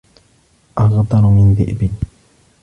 أغدر من ذئب